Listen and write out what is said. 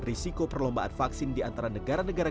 risiko perlombaan vaksin di antara negara negara